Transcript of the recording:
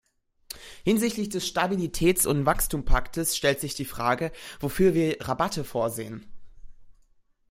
Hinsichtlich des Stabilitäts- und Wachstumspaktes stellt sich die Frage, wofür wir Rabatte vorsehen?